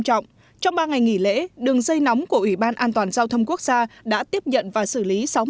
trọng trong ba ngày nghỉ lễ đường dây nóng của ủy ban an toàn giao thông quốc gia đã tiếp nhận và xử lý